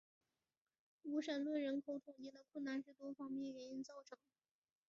无神论人口统计的困难是多方面原因造成的。